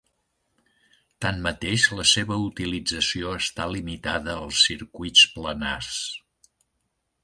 Tanmateix la seva utilització està limitada als circuits planars.